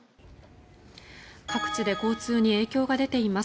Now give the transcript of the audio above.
各地で交通に影響が出ています。